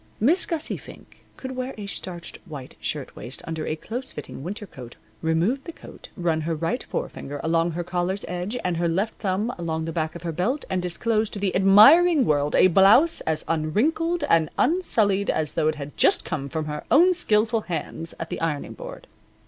Miss Gussie Fink could wear a starched white shirtwaist under a close fitting winter coat, remove the coat, run her right forefinger along her collar's edge and her left thumb along the back of her belt and disclose to the admiring world a blouse as unwrinkled and unsullied as though it had just come from her own skilful hands at the ironing board.